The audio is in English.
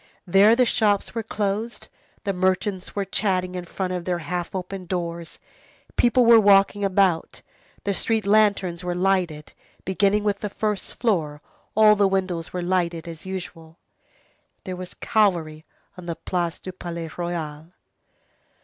There the shops were closed, the merchants were chatting in front of their half open doors, people were walking about, the street lanterns were lighted, beginning with the first floor, all the windows were lighted as usual. There was cavalry on the Place du Palais Royal.